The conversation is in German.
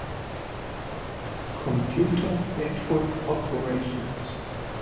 Computer Network Operations